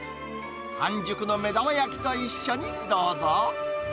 半熟の目玉焼きと一緒にどうぞ。